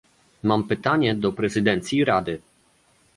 Mam pytanie do prezydencji Rady